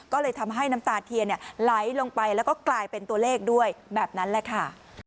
ก็เลยทำให้น้ำตาเทียนไหลลงไปแล้วก็กลายเป็นตัวเลขด้วยแบบนั้นแหละค่ะ